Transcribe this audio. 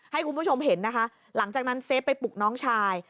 ให้คุณผู้ชมเห็นนะคะหลังจากนั้นเซฟไปปลุกน้องชาย